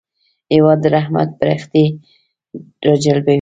هېواد د رحمت پرښتې راجلبوي.